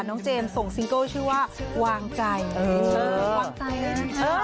น้องเจมส์ส่งซิงเกิ้ลชื่อว่าวางใจเออวางใจเลยนะคะ